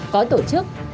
có tổ chức